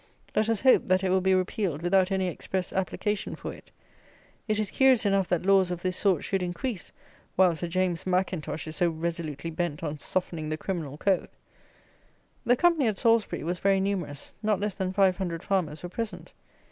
Let us hope, that it will be repealed without any express application for it. It is curious enough that laws of this sort should increase, while Sir James Mackintosh is so resolutely bent on "softening the criminal code!" The company at Salisbury was very numerous; not less than 500 farmers were present.